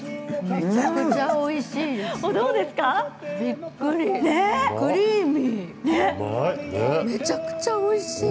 めちゃくちゃおいしい。